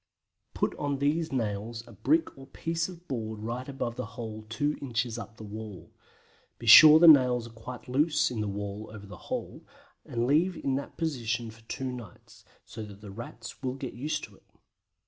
Put on these nails a brick or piece of board right above the hole 2 inches up the wall. Be sure the nails are quite loose in the wall over the hole, and leave in that position for two nights, so that the Rats will get used to it.